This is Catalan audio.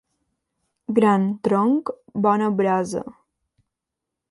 Gran tronc, bona brasa.